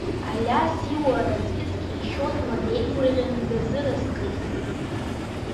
Алиас иуара ҵкьыҵкьеишьозма, деигәырӷьаны дазыразхеит.